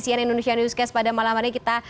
cnn indonesia newscast pada malam hari ini kita